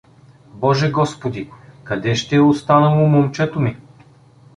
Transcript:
— Боже господи, къде ще е останало момчето ми!